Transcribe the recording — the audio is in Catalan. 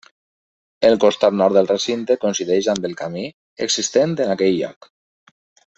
El costat nord del recinte coincideix amb el camí existent en aquell lloc.